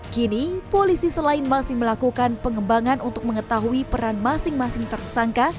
kini polisi selain masih melakukan pengembangan untuk mengetahui peran masing masing tersangka